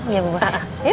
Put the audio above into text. iya bu bos